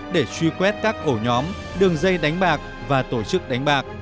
để truy quét các ổ nhóm đường dây đánh bạc và tổ chức đánh bạc